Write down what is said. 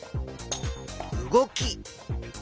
動き。